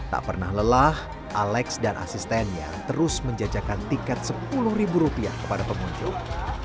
tak pernah lelah alex dan asistennya terus menjajakan tiket sepuluh ribu rupiah kepada pengunjung